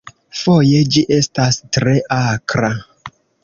Foje ĝi estas tre akra.